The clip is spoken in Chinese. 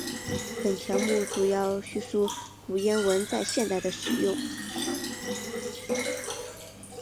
本条目主要叙述古谚文在现代的使用。